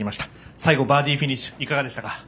最後、バーディーフィニッシュいかがでしたか。